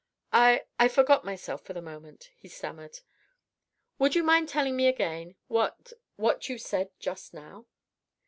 "I ... I forgot myself for the moment," he stammered; "would you mind telling me again ... what ... what you said just now?"